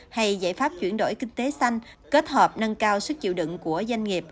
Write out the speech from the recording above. hay giải pháp chuyển đổi kinh tế xanh kết hợp nâng cao sức chịu đựng của doanh nghiệp